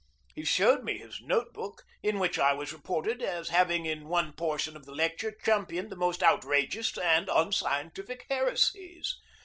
He showed me his note book, in which I was reported as having in one portion of the lecture championed the most outrageous and unscientific heresies.